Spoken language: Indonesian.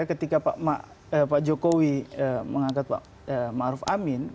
ketika pak jokowi mengangkat pak maruf amin